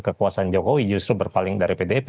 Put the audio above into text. kekuasaan jokowi justru berpaling dari pdip